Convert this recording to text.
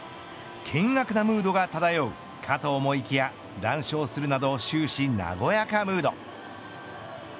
険悪なムードが漂うかと思いきや談笑するなど終始和やかムード。